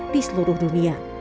di seluruh dunia